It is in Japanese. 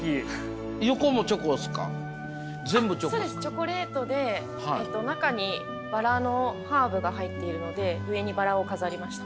チョコレートで中にバラのハーブが入っているので上にバラを飾りました。